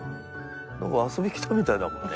なんか遊び来たみたいだもんね。